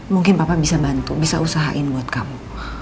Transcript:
mungkin papa bisa bantu bisa usahain buat kamu